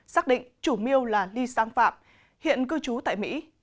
xác định chủ miêu là ly sang phạm hiện cư trú tại mỹ